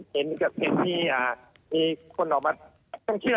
เห็นมีคนออกมาต้องเชื่อ